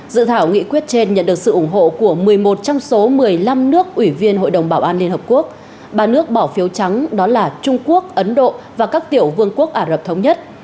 dự thảo nghị quyết trên nhận được sự ủng hộ của một mươi một trong số một mươi năm nước ủy viên hội đồng bảo an liên hợp quốc ba nước bỏ phiếu trắng đó là trung quốc ấn độ và các tiểu vương quốc ả rập thống nhất